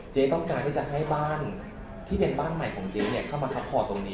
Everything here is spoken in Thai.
ต้องการที่จะให้บ้านที่เป็นบ้านใหม่ของเจ๊เนี่ยเข้ามาซัพพอร์ตตรงนี้